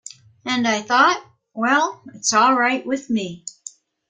And I thought, 'Well, it's all right with me.